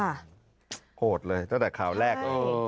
โหดเลยตั้งแต่ข่าวแรกเลย